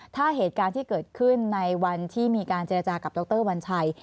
ถ้าเหตุการณ์ที่เกิดขึ้นในวันที่มีการเจรจากับดรวัญชัย